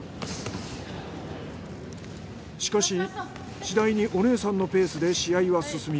しかし次第にお姉さんのペースで試合は進み。